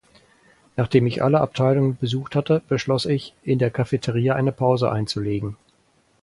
Nachdem ich alle Abteilungen besucht hatte, beschloss ich, in der Cafeteria eine Pause einzulegen.